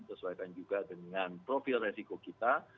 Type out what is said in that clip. sesuaikan juga dengan profil resiko kita